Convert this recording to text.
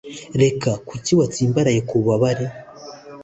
reka kuki watsimbaraye ku bubabare